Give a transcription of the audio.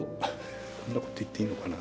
こんなこと言っていいのかな。